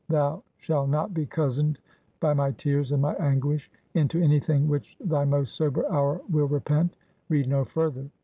Thou shall not be cozened, by my tears and my anguish, into any thing which thy most sober hour will repent. Read no further.